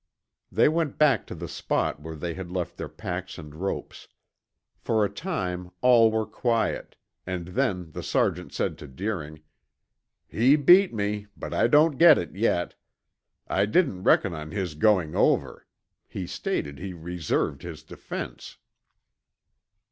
They went back to the spot where they had left their packs and ropes. For a time all were quiet, and then the sergeant said to Deering: "He beat me, but I don't get it yet. I didn't reckon on his going over; he stated he reserved his defense."